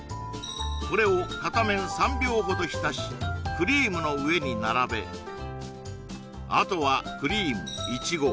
これを片面３秒ほどひたしクリームの上に並べあとはクリームイチゴ